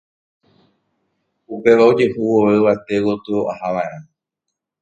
upéva ojehu vove yvate gotyo ahava'erã